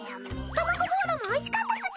たまごボーロもおいしかったつぎ！